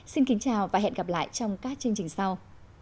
xin kính chào và hẹn gặp lại trong các chương trình sau